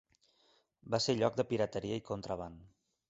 Va ser lloc de pirateria i contraban.